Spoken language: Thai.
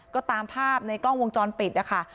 ก็ตามภาพในกล้องวงจรปิดนะคะ